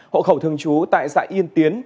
hộ khẩu thường trú tại xã yên tiến